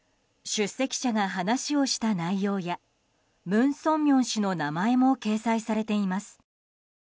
出席者が話をした内容や文鮮明氏の名前も掲載されています。